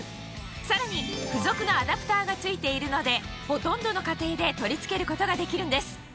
さらに付属のアダプターが付いているのでほとんどの家庭で取り付けることができるんです